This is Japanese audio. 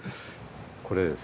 これです。